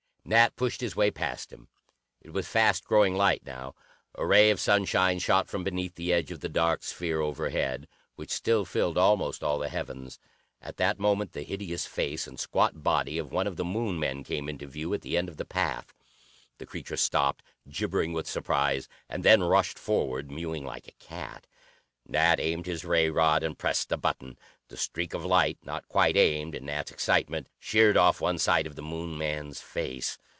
Nat pushed his way past him. It was fast growing light now. A ray of sunshine shot from beneath the edge of the dark sphere overhead, which still filled almost all the heavens. At that moment the hideous face and squat body of one of the Moon men came into view at the end of the path. The creature stopped, gibbering with surprise, and then rushed forward, mewing like a cat. Nat aimed his ray rod and pressed the button. The streak of light, not quite aimed, in Nat's excitement, sheared off one side of the Moon man's face.